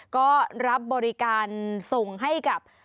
ก็รับบริการส่งให้กับ